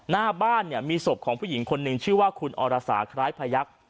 หน้าบ้านเนี่ยมีศพของผู้หญิงคนหนึ่งชื่อว่าคุณอรสาคล้ายพยักษ์